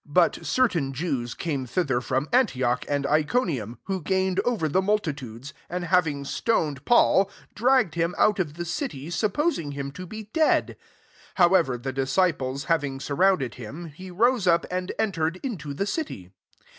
19 But certain Jews came thither from Antioch and Ico nium ; who gained over the multitudes, and having stoned Paul) dragged him out of the city, supposing him to be dead. 20 Ifowever, the disciples hav ing surrounded him, he rose up, and entered into the city.